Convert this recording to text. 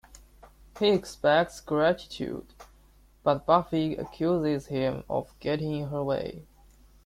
He expects gratitude, but Buffy accuses him of getting in her way.